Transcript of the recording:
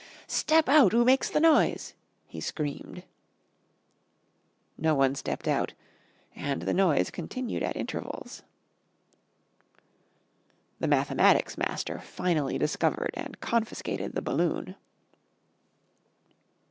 "Step out 'oo makes the noise," he screamed. No one stepped out, and the noise continued at intervals. The mathematics master finally discovered and confiscated the balloon.